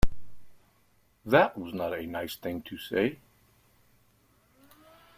That was not a nice thing to say